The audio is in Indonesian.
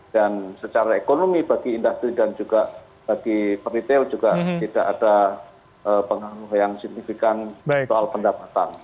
dan secara ekonomi bagi industri dan juga bagi retail juga tidak ada pengaruh yang signifikan soal pendapatan